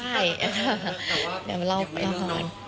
แต่ว่ายังไม่ต้องนอน